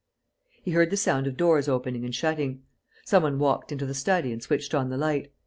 He heard the sound of doors opening and shutting. Some one walked into the study and switched on the light.